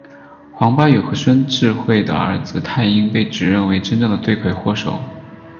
黄巴宇和孙智慧的儿子泰英被指认为真正的罪魁祸首。